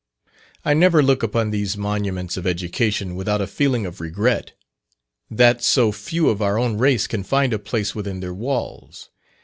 I never look upon these monuments of education, without a feeling of regret, that so few of our own race can find a place within their walls.